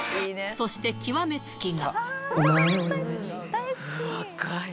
そして極め付きが。